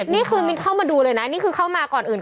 นี่คือมินเข้ามาดูเลยนะนี่คือเข้ามาก่อนอื่น